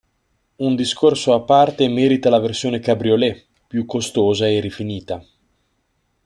Un discorso a parte merita la versione cabriolet, più costosa e rifinita.